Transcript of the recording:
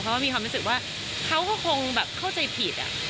เพราะว่ามีความรู้สึกว่าเขาก็คงแบบเข้าใจผิด